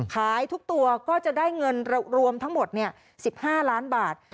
ขายทุกตัวก็จะได้เงินรวมทั้งหมด๑๕ล้านบาท